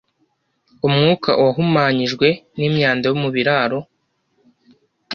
umwuka wahumanyijwe n’imyanda yo mu biraro,